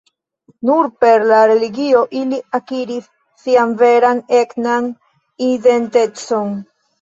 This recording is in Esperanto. Nur per la religio ili akiris sian veran etnan identecon.